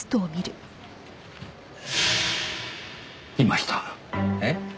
いました。え？